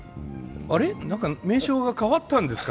あれ、何か名称が変わったんですか？